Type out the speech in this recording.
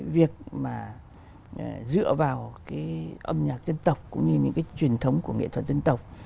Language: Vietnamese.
việc dựa vào âm nhạc dân tộc cũng như những truyền thống của nghệ thuật dân tộc